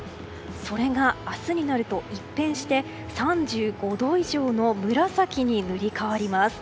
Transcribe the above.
それが明日になると一変して３５度以上の紫に塗り替わります。